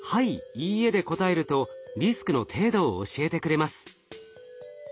「いいえ」で答えるとリスクの程度を教えてくれます。